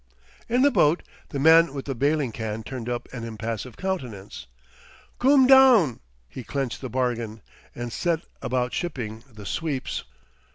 In the boat the man with the bailing can turned up an impassive countenance. "Coom down," he clenched the bargain; and set about shipping the sweeps.